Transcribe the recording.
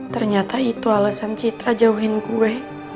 ternyata itu alasan citra jauhin gue